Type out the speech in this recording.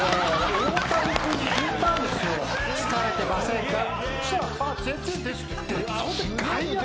疲れてませんか？